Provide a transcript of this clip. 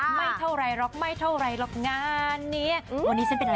ไม่เท่าไรหรอกไม่เท่าไรหรอกงานเนี้ยอืมวันนี้ฉันเป็นอะไร